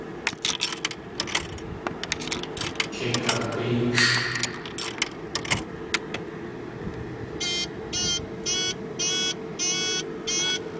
Kei kag̲éexʼ!